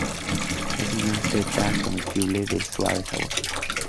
Es una seta comestible de suave sabor.